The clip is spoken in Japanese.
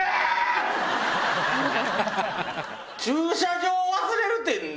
駐車場忘れてた！